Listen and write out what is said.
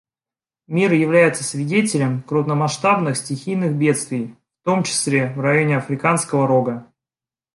Мир является свидетелем крупномасштабных стихийных бедствий, в том числе в районе Африканского Рога.